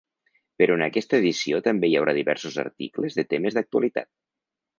Però en aquesta edició també hi haurà diversos articles de temes d’actualitat.